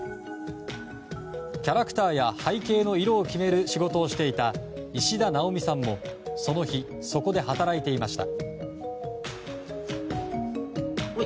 キャラクターや背景の色を決める仕事をしていた石田奈央美さんもその日、そこで働いていました。